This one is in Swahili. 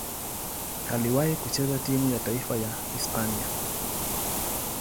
Aliwahi kucheza timu ya taifa ya Hispania.